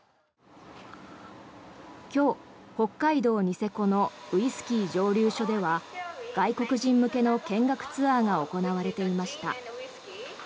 今日、北海道ニセコのウイスキー蒸留所では外国人向けの見学ツアーが行われていました。